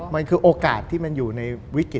มันคือโอกาสที่มันอยู่ในวิกฤต